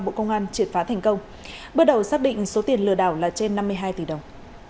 bộ công an triệt phá thành công bước đầu xác định số tiền lừa đảo là trên năm mươi hai tỷ đồng